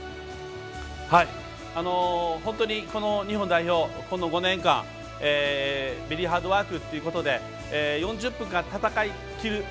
本当にこの日本代表、この５年間ベリーハードワークということで４０分間、戦いきる。